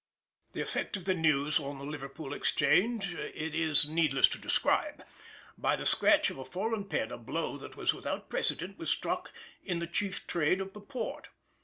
The effect of the news on the Liverpool Exchange it is needless to describe. By the scratch of a foreign pen a blow that was without precedent was struck at the chief trade of the port.